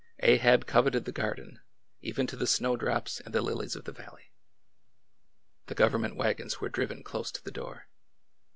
Ahab coveted the garden, even to the snowdrops and the lilies of the valley. The government wagons were driven close to the door.